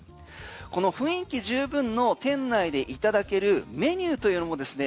この雰囲気十分の店内でいただけるメニューというのもですね